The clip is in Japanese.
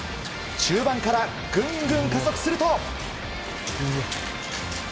中盤からぐんぐん加速すると。